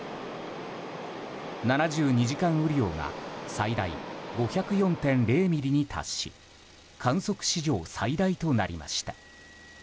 ７２時間雨量が最大５０４．０ミリに達し観測史上最大となりました。